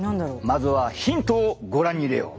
まずはヒントをご覧に入れよう！